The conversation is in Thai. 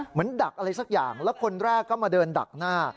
ดักอะไรสักอย่างแล้วคนแรกก็มาเดินดักหน้า